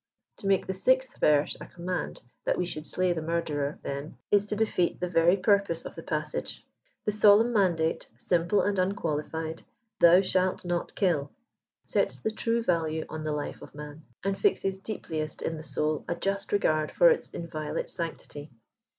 To make the 6th verse a command that we should slay the murderer, then, is to defeat the very purpose of the passage. The solemn mandate, simple and unqualified, ^'THOtr shali* 19ot KILL," sets the true value on the life of man, and fixes deepliesit in the soul a just regard for its inviolate sanctity*